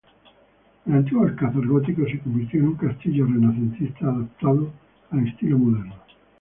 El antiguo alcázar gótico se convirtió en un castillo renacentista adaptado al estilo moderno.